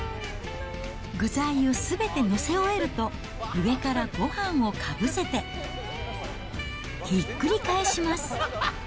具材をすべて載せ終えると、上からごはんをかぶせてひっくり返します。